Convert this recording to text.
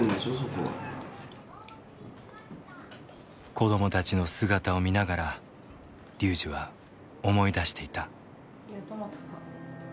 子どもたちの姿を見ながら龍司は思い出していた。